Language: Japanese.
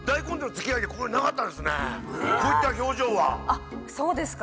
あそうですか。